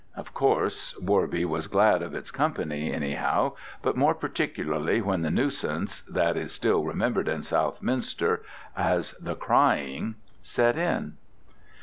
Of course Worby was glad of its company anyhow, but more particularly when the nuisance that is still remembered in Southminster as "the crying" set in.